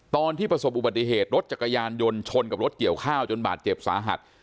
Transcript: ประสบอุบัติเหตุรถจักรยานยนต์ชนกับรถเกี่ยวข้าวจนบาดเจ็บสาหัส